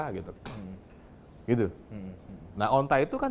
gitu nah onta itu kan